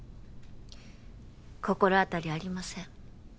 心当たりありません